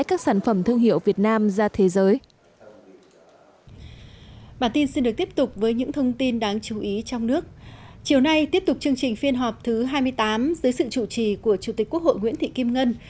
chiều nay tiếp tục chương trình phiên họp thứ hai mươi tám dưới sự chủ trì của chủ tịch quốc hội nguyễn thị kim ngân